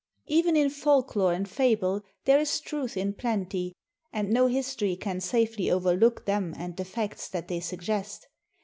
Even in folk lore and fable there is truth in plenty, and no history can safely overlook them and the facts that they suggest.